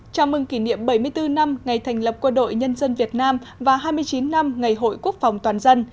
chào mừng kỷ niệm bảy mươi bốn năm ngày thành lập quân đội nhân dân việt nam và hai mươi chín năm ngày hội quốc phòng toàn dân